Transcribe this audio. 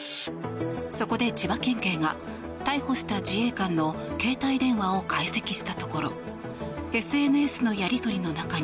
そこで千葉県警が逮捕した自衛官の携帯電話を解析したところＳＮＳのやり取りの中に